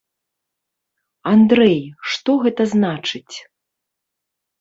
Андрэй, што гэта значыць?